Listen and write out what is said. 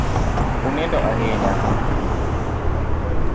Unindo ahinya